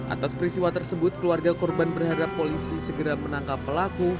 atas peristiwa tersebut keluarga korban berharap polisi segera menangkap pelaku